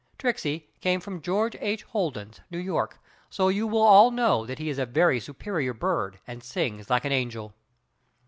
Tricksey came from George H. Holden's, New York, so you will all know he is a very superior bird and sings like an angel.